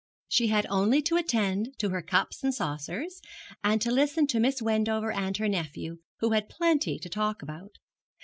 She had only to attend to her cups and saucers, and to listen to Miss Wendover and her nephew, who had plenty to talk about.